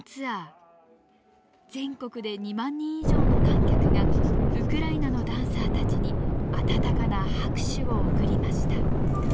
全国で２万人以上の観客がウクライナのダンサーたちに温かな拍手を送りました。